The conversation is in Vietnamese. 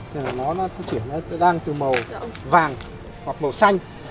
thế là nó nó có chuyển nó đang từ màu vàng hoặc màu xanh